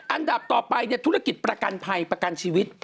อันดับต่อไปธุรกิจประกันภัยประกันชีวิต